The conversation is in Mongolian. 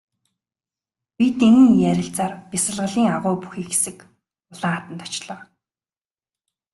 Бид ийн ярилцсаар бясалгалын агуй бүхий хэсэг улаан хаданд очлоо.